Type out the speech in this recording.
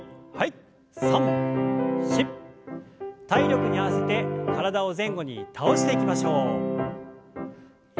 体力に合わせて体を前後に倒していきましょう。